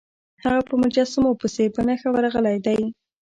هغه په مجسمو پسې په نښه ورغلی دی.